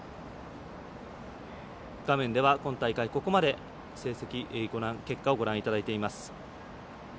画面では、今大会ここまでの結果をご覧いただいています。